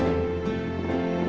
ya kita ke sekolah